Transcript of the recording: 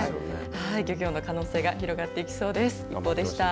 漁業の可能性が広がっていきそうです。